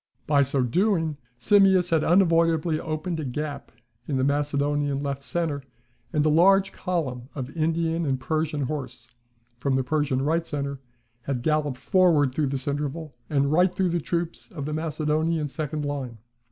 By so doing, Simmias had unavoidably opened a gap in the Macedonian left centre; and a large column of Indian and Persian horse, from the Persian right centre, had galloped forward through this interval, and right through the troops of the Macedonian second line.